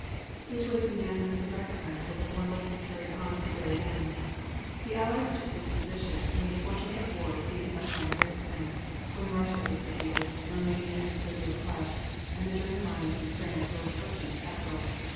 It was unanimously recognized that the war must be carried on to the very end. The Allies took this position when the fortunes of war seemed to have gone against them, when Russia was defeated, Roumania and Serbia crushed, and the German lines in France were approaching the capital.